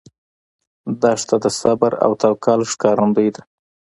دښته د صبر او توکل ښکارندوی ده.